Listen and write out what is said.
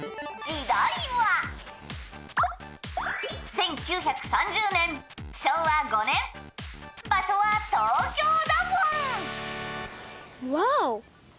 「１９３０年昭和５年場所は東京だフォン」